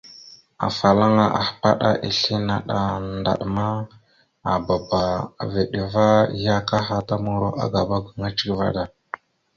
Afalaŋa ahpaɗá islé naɗ a ndaɗ ma, aababa a veɗ ava ya akaha ta muro agaba gaŋa cek vaɗ da.